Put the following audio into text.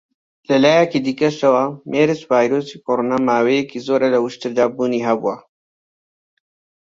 لە لایەکی دیکەشەوە، مێرس-ڤایرۆسی کۆڕۆنا ماوەیەکی زۆرە لە وشتردا بوونی هەبووە.